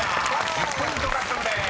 １０ポイント獲得です］